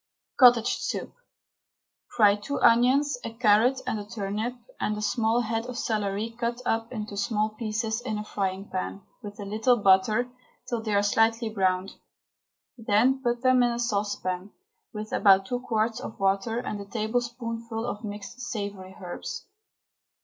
COTTAGE SOUP. Fry two onions, a carrot and a turnip, and a small head of celery cut up into small pieces, in a frying pan, with a little butter, till they are lightly browned. Then put them in a saucepan, with about two quarts of water and a tablespoonful of mixed savoury herbs.